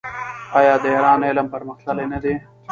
آیا د ایران علم پرمختللی نه دی؟